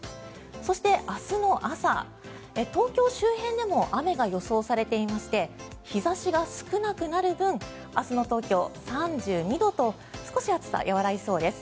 そして、明日の朝、東京周辺でも雨が予想されていまして日差しが少なくなる分明日の東京、３２度と少し暑さ和らぎそうです。